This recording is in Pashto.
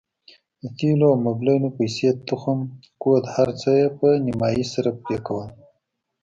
د تېلو او موبلينو پيسې تخم کود هرڅه يې په نيمايي سره پرې کول.